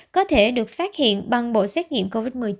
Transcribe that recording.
có thể được phát hiện bằng bộ xét nghiệm covid một mươi chín